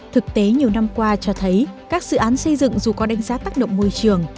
thực tế nhiều năm qua cho thấy các dự án xây dựng dù có đánh giá tác động môi trường